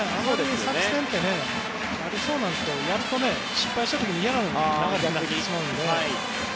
作戦って、ありそうなんですけどやると、失敗した時に嫌な流れになってしまうので。